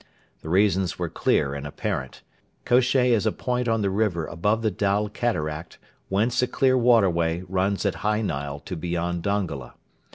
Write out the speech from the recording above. The reasons were clear and apparent. Kosheh is a point on the river above the Dal Cataract whence a clear waterway runs at high Nile to beyond Dongola.